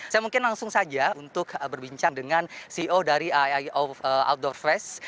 saya mungkin langsung saja untuk berbincang dengan ceo dari outdoor fresh